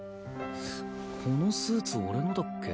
このスーツ俺のだっけ？